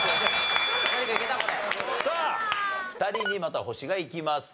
さあ２人にまた星がいきます。